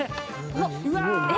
うわ！